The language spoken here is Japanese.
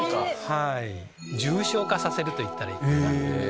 重症化させるといったらいいかな。